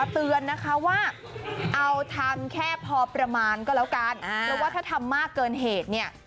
แต่ว่าถ้าทำมากเกินเหตุเนี่ย